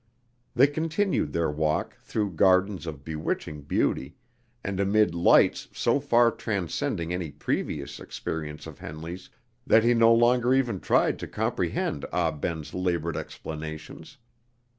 They continued their walk through gardens of bewitching beauty, and amid lights so far transcending any previous experience of Henley's that he no longer even tried to comprehend Ah Ben's labored explanations.